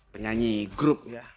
penyanyi grup ya